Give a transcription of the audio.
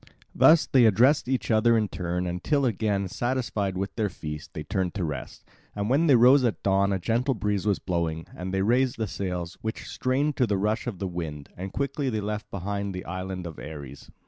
Thus they addressed each other in turn, until again, satisfied with their feast, they turned to rest. And when they rose at dawn a gentle breeze was blowing; and they raised the sails, which strained to the rush of the wind, and quickly they left behind the island of Ares.